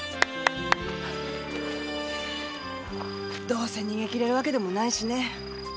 どうせ逃げ切れるわけでもないしね。